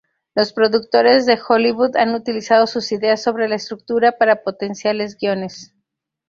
Los productores de Hollywood han utilizado sus ideas sobre la estructura para potenciales guiones.